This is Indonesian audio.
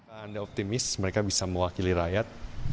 anda optimis mereka bisa mewakili rakyat